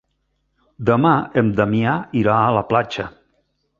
Demà en Damià irà a la platja.